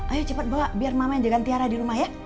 ayo cepet bawa biar mama yang jaga tiara di rumah ya